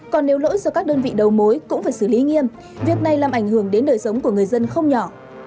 còn nếu lỗi do các đơn vị đầu mối cũng phải xử lý nghiêm việc này làm ảnh hưởng đến đời sống của người dân không nhỏ